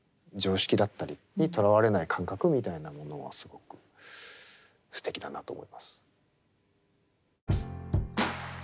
常識だったりにとらわれない感覚みたいなものはすごくすてきだなと思います。